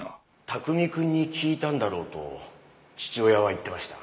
卓海くんに聞いたんだろうと父親は言ってました。